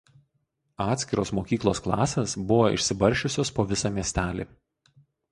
Atskiros mokyklos klasės buvo išsibarsčiusios po visą miestelį.